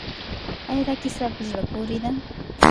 آیا دا کیسه په زړه پورې ده؟